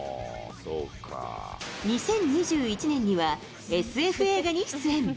２０２１年にはＳＦ映画に出演。